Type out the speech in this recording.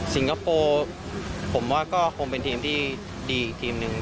คโปร์ผมว่าก็คงเป็นทีมที่ดีอีกทีมหนึ่ง